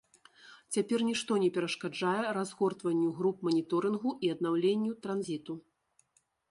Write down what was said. Цяпер нішто не перашкаджае разгортванню груп маніторынгу і аднаўленню транзіту.